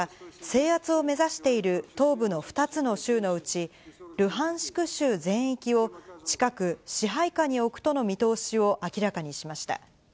制圧を目指している東部の２つの州のうち、ルハンシク州全域を近く、支配下に置くとの見通しを明らかにしました。